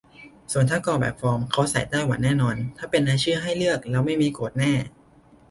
ส่วนถ้ากรอกแบบฟอร์ม เขาใส่ไต้หวันแน่นอน - ถ้าเป็นรายชื่อให้เลือก แล้วไม่มี โกรธแน่